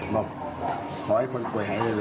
บอกขอให้คนป่วยหายเร็ว